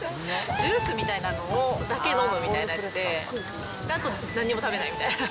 ジュースみたいなのだけ飲むみたいなので、あと、なんにも食べないみたいな。